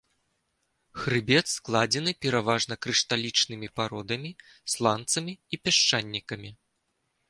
Хрыбет складзены пераважна крышталічнымі пародамі, сланцамі і пясчанікамі.